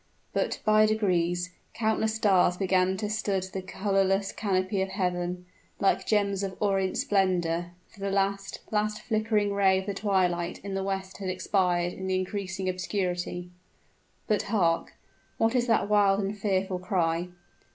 But, by degrees, countless stars began to stud the colorless canopy of heaven, like gems of orient splendor; for the last last flickering ray of the twilight in the west had expired in the increasing obscurity. But, hark! what is that wild and fearful cry?